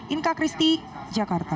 inka christy jakarta